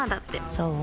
そう？